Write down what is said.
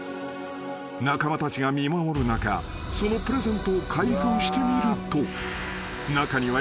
［仲間たちが見守る中そのプレゼントを開封してみると中には］